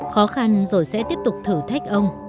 khó khăn rồi sẽ tiếp tục thử thách ông